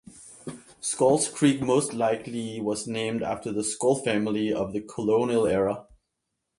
Sculls Creek most likely was named after the Scull family of the colonial era.